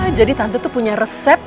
oh jadi tante tuh punya resep